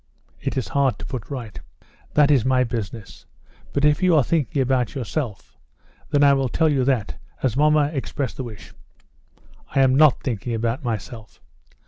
"It is hard to put right." "That is my business. But if you are thinking about yourself, then I will tell you that, as mamma expressed the wish " "I am not thinking about myself.